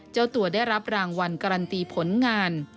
เจ้าตัวได้รับรางวัลการันตีผลงาน